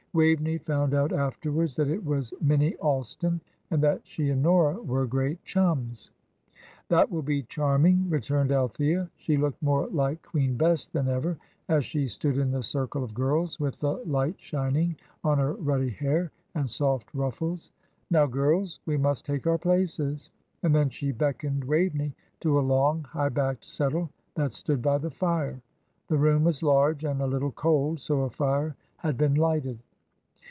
Waveney found out afterwards that it was Minnie Alston, and that she and Nora were great chums. "That will be charming," returned Althea. She looked more like Queen Bess than ever, as she stood in the circle of girls, with the light shining on her ruddy hair and soft ruffles. "Now, girls, we must take our places;" and then she beckoned Waveney to a long, high backed settle that stood by the fire. The room was large, and a little cold, so a fire had been lighted.